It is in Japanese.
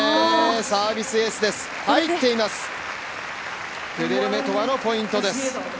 サービスエースです、入っています、クデルメトワのポイントです。